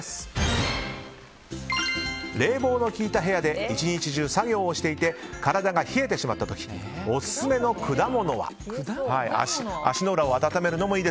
冷房の利いた部屋で１日中作業をしていて体が冷えてしまった時オススメの果物は？